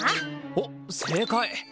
おっ正解！